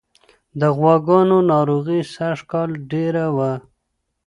د غواګانو ناروغي سږکال ډېره وه.